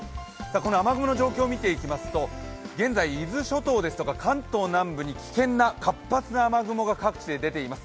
この雨雲の状況を見ていきますと現在、伊豆諸島ですとか関東の南部に危険な、活発な雨雲が各地に出ています。